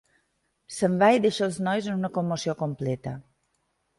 Se"n va i deixa els nois en una commoció completa.